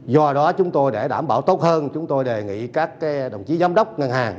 do đó chúng tôi để đảm bảo tốt hơn chúng tôi đề nghị các đồng chí giám đốc ngân hàng